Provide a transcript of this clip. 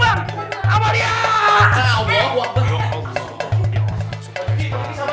pak juki sabar pak juki